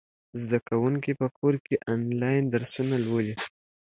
زده کوونکي په کور کې آنلاین درسونه لولي.